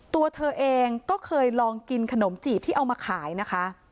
ตัวเธอเองก็เคยลองกินขนมจีบที่เอามาขายนะคะ